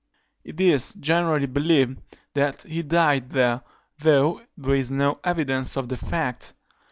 It is generally believed that he died there, though there is no evidence of the fact.